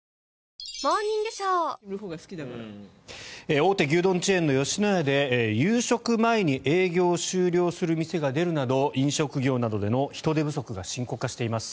大手牛丼チェーンの吉野家で夕食前に営業を終了する店が出るなど飲食業などでの人手不足が深刻化しています。